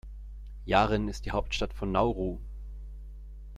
Yaren ist die Hauptstadt von Nauru.